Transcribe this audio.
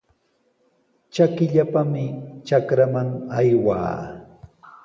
Trakipallami trakraman aywaa.